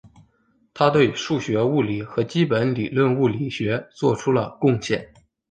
他对数学物理和基本理论物理学做出了贡献。